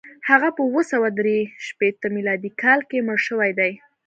هغه په اووه سوه درې شپېته میلادي کال کې مړ شوی دی.